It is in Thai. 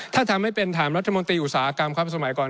ถ้าทำให้เป็นถามรัฐมนตรีอุตสาหกรรมครับสมัยก่อน